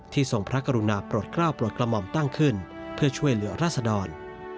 ทรงพระกรุณาโปรดกล้าวโปรดกระหม่อมตั้งขึ้นเพื่อช่วยเหลือราศดร